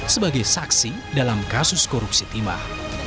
sebagai saksi dalam kasus korupsi timah